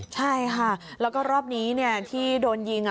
ใช่ค่ะแล้วก็รอบนี้ที่โดนยิง